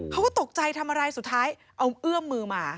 เขาก็ตกใจทำอะไรสุดท้ายเอาเอื้อมมือมา